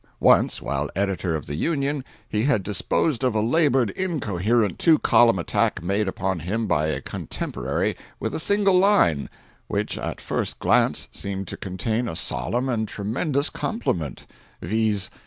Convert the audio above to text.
Once, while editor of the Union, he had disposed of a labored, incoherent, two column attack made upon him by a contemporary, with a single line, which, at first glance, seemed to contain a solemn and tremendous compliment—viz.